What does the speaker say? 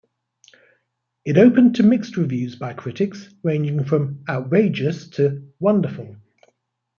It opened to mixed reviews by critics, ranging from "outrageous" to "wonderful".